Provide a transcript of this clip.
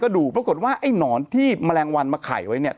ก็ดูโปรกฎว่าไอ้หนอนที่น้องบริเวณน้องที่มาแรงวันมาไข่